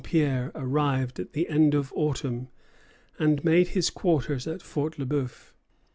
Legardeur de Saint Pierre arrived at the end of autumn, and made his quarters at Fort Le Bœuf.